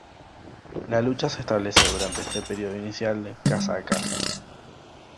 La lucha se establece durante este periodo inicial casa a casa.